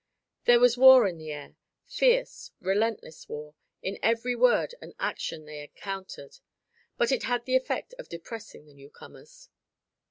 There was war in the air fierce, relentless war in every word and action they encountered and it had the effect of depressing the newcomers.